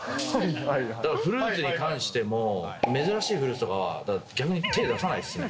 だからフルーツに関しても、珍しいフルーツとかは逆に手出さないですよね。